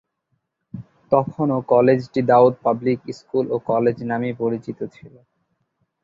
তখনও কলেজটি Daud public school ও কলেজ নামেই পরিচিত ছিল।